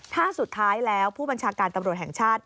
ถ้าสุดท้ายแล้วผู้บัญชาการตำรวจแห่งชาติ